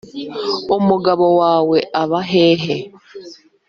umugabo wawe aba hehe’